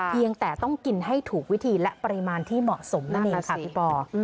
เพียงแต่ต้องกินให้ถูกวิธีและปริมาณที่เหมาะสมนั่นเองค่ะพี่ปอ